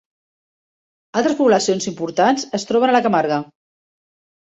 Altres poblacions importants es troben a la Camarga.